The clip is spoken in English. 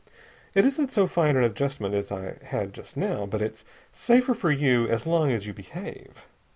It isn't so fine an adjustment as I had just now, but it's safer for you as long as you behave.